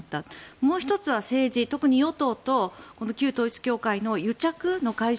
もう１つは政治特に与党と旧統一教会の癒着の解消。